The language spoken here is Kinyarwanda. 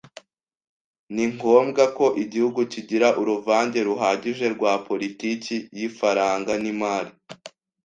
Ni ngombwa ko igihugu kigira uruvange ruhagije rwa politiki y’ifaranga n’imari.